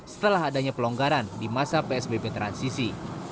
setelah adanya pelonggaran di masa psbb transisi